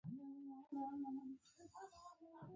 کله مؤلف خپل مأخذ نه يي ښولى.